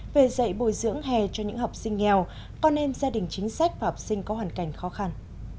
về dạy bồi dưỡng hè cho những học sinh nghèo con em gia đình chính sách và học sinh có hoàn cảnh khó khăn